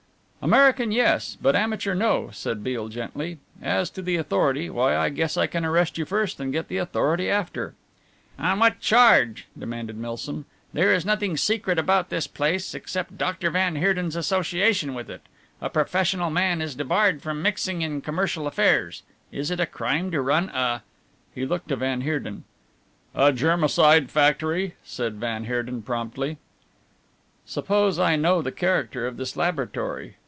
"American, yes; but amateur, no," said Beale gently. "As to the authority, why I guess I can arrest you first and get the authority after." "On what charge?" demanded Milsom, "there is nothing secret about this place, except Doctor van Heerden's association with it a professional man is debarred from mixing in commercial affairs. Is it a crime to run a " He looked to van Heerden. "A germicide factory," said van Heerden promptly. "Suppose I know the character of this laboratory?"